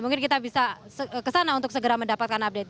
mungkin kita bisa ke sana untuk segera mendapatkan update